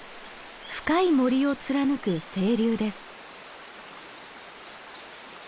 深い森を貫く清流です。